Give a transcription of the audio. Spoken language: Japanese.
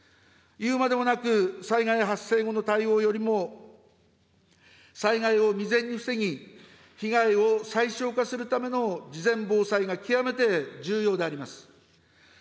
言うまでもなく、災害発生後の対応よりも、災害を未然に防ぎ、被害を最小化するための事前防災が極めて重要であります。